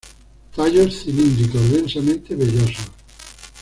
Tallos cilíndricos, densamente vellosos.